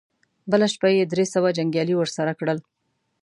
بله شپه يې درې سوه جنګيالي ور سره کړل.